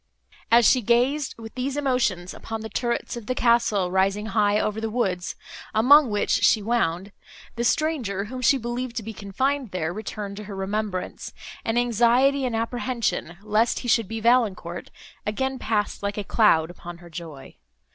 As she gazed, with these emotions, upon the turrets of the castle, rising high over the woods, among which she wound, the stranger, whom she believed to be confined there, returned to her remembrance, and anxiety and apprehension, lest he should be Valancourt, again passed like a cloud upon her joy.